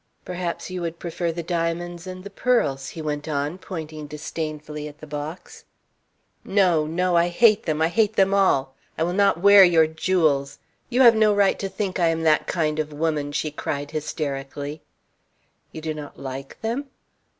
"Perhaps you would prefer the diamonds and the pearls," he went on, pointing disdainfully at the box. "No, no. I hate them! I hate them all! I will not wear your jewels. You have no right to think that I am that kind of woman," she cried hysterically. "You do not like them?